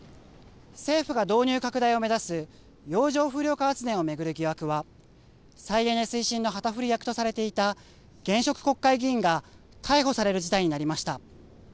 政府が導入拡大を目指す洋上風力発電を巡る疑惑は再エネ推進の旗振り役とされていた現職国会議員が逮捕される事態になりました。